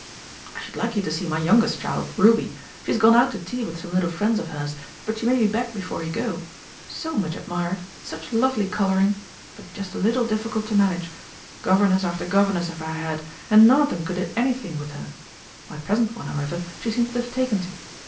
I should like you to see my youngest child, Ruby. She's gone out to tea with some little friends of hers, but she may be back before you go. So much admired such lovely colouring! But just a little difficult to manage. Governess after governess have I had, and none of them could do anything with her. My present one, however, she seems to have taken to.